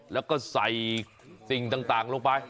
แล้วก็ใส่สิ่งต่างลงไป